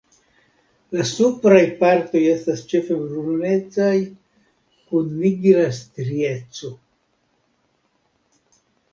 La supraj partoj estas ĉefe brunecaj kun nigra strieco.